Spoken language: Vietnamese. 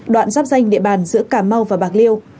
đoạn giáp danh địa bàn giữa cà mau và bạc liêu